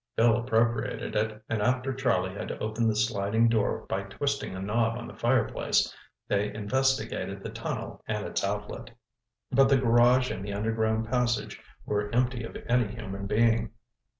Bill appropriated it, and after Charlie had opened the sliding door by twisting a knob on the fireplace, they investigated the tunnel and its outlet. But the garage and the underground passage were empty of any human being.